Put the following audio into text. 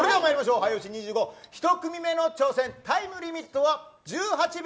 早押し２５、１組目の挑戦タイムリミットは１８秒。